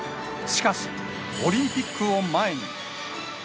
しかし、オリンピックを前に。